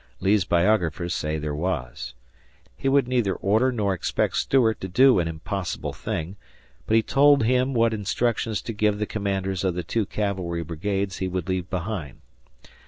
Lee's biographers say there was. He would neither order nor expect Stuart to do an impossible thing, but he told him what instructions to give the commanders of the two cavalry brigades he would leave behind.